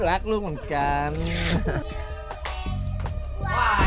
เดี๋ยวลูกแม่ไว้เล่า